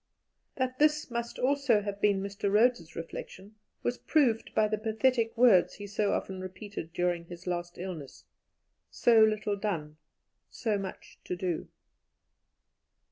That this must also have been Mr. Rhodes's reflection was proved by the pathetic words he so often repeated during his last illness: "So little done, so much to do."